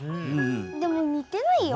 でも似てないよ。